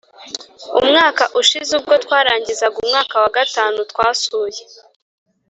Umwaka ushize ubwo twarangizaga umwaka wa gatanu, twasuye